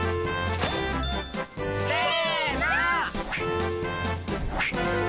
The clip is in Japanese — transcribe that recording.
せの。